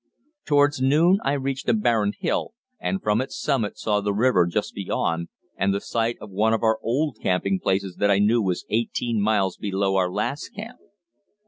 Towards noon I reached a barren hill, and from its summit saw the river just beyond and the site of one of our old camping places that I knew was eighteen miles below our last camp.